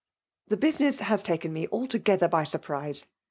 *' This business has taken me altogether b} surprise.